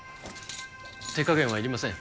手加減はいりません。